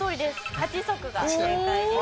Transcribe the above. ８足が正解でした。